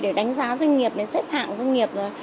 để đánh giá doanh nghiệp này xếp hạng doanh nghiệp này